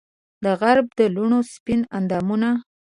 دغرب د لوڼو سپین اندامونه